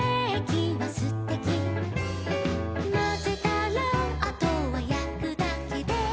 「まぜたらあとはやくだけで」